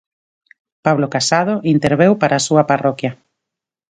Pablo Casado interveu para a súa parroquia.